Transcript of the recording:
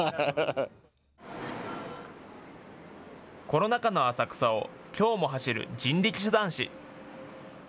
コロナ禍の浅草をきょうも走る人力車男子。